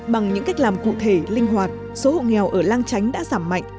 bằng những cách làm cụ thể linh hoạt số hộ nghèo ở lang chánh đã giảm mạnh